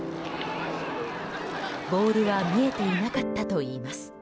ボールは見えていなかったといいます。